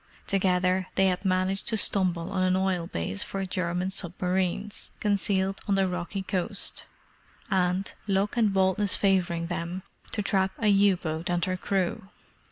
Together they had managed to stumble on an oil base for German submarines, concealed on the rocky coast; and, luck and boldness favouring them, to trap a U boat and her crew.